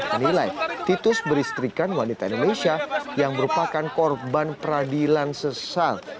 menilai titus beristrikan wanita indonesia yang merupakan korban peradilan sesal